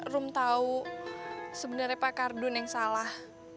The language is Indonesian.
rum tau sebenernya pak kardun yang salah